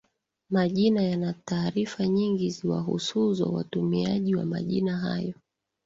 Majina yana taarifa nyingi ziwahusuzo watumiaji wa majina hayo